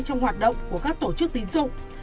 trong hoạt động của các tổ chức tín dụng